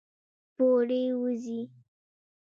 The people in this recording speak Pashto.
پورې ، وځي